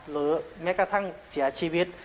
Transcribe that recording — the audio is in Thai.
หรือแม้กระทั่งเสียชีวิต